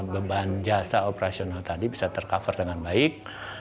beban jasa operasional tadi bisa tercover dengan baik